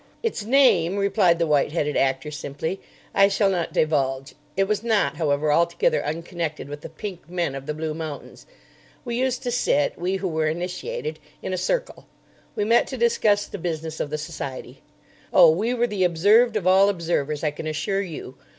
"Its name," replied the white headed actor simply, "I shall not divulge. It was not, however, altogether unconnected with the Pink Men of the Blue Mountains. We used to sit, we who were initiated, in a circle. We met to discuss the business of the society. Oh, we were the observed of all observers, I can assure you.